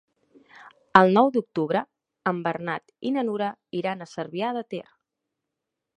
El nou d'octubre en Bernat i na Nura iran a Cervià de Ter.